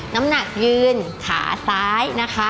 น้ำหนักยืนขาซ้ายนะคะ